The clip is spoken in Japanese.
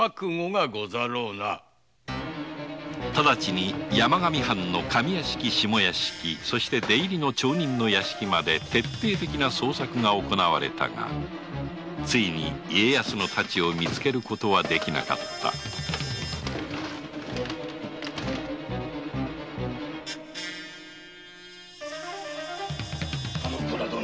直ちに山上藩の上屋敷下屋敷そして出入りの町人の屋敷まで徹底的な捜索が行われたがついに家康の太刀をみつけることはできなかった田之倉殿。